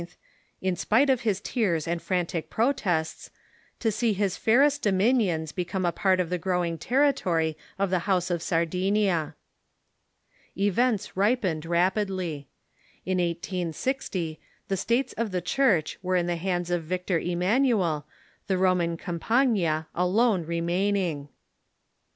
in spite of his tears and frantic protests, to see his fairest dominions become a part of the growing territory of the house of Sardinia. Events ripened rajjidly. In 18G0, the States of the Church were in the hands of Victor Emmanuel, the Roman Campagna alone remaining.